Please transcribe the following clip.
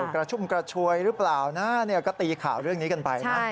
กระชุ่มกระชวยหรือเปล่านะก็ตีข่าวเรื่องนี้กันไปนะ